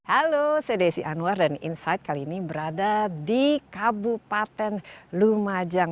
halo saya desi anwar dan insight kali ini berada di kabupaten lumajang